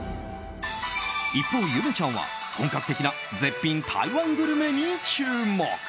一方、ゆめちゃんは本格的な絶品台湾グルメに注目。